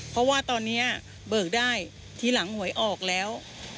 เพราะว่าตอนนี้เบิกได้ทีหลังหวยออกแล้ว